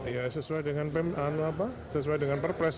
ya sesuai dengan perpres